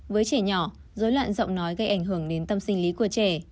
với trẻ nhỏ dối loạn giọng nói gây ảnh hưởng đến tâm sinh lý của trẻ